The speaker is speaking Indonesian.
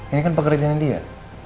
ini kan pekerjaannya dia